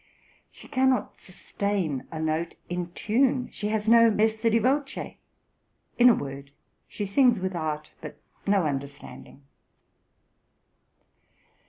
She cannot sustain a note in tune; she has no messa di voce; in a word, she sings with art, but no understanding.